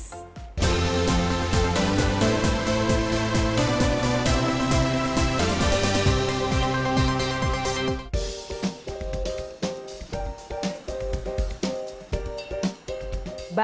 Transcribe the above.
bahan bahan yang kita masak